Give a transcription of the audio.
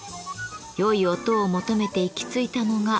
良い音を求めて行き着いたのが漆でした。